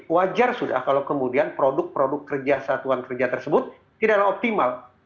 wajar sudah kalau kemudian produk produk kerja satuan kerja tersebut tidaklah optimal